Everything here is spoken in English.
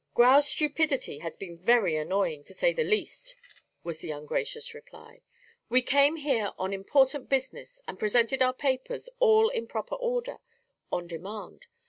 "Grau's stupidity has been very annoying, to say the least," was the ungracious reply. "We came here on important business, and presented our papers all in proper order on demand.